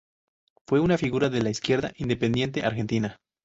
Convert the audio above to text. Fue una figura de la izquierda independiente argentina.